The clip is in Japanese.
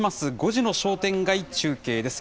５時の商店街中継です。